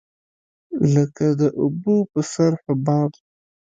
لکه د اوبو په سر حباب.